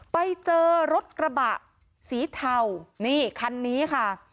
ไปเจอรถกระบะสีเทานี่คันนี้ค่ะ